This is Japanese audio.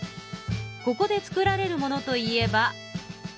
ここで作られるものといえば米。